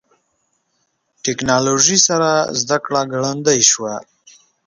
ټکنالوژي سره زدهکړه ګړندۍ شوې.